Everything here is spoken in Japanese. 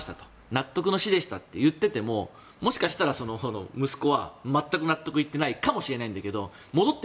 納得の死でしたって言っていてももしかしたら息子は全く納得いっていないかもしれないんだけど戻って